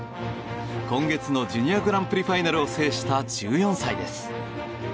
今月のジュニアグランプリファイナルを制した１４歳です。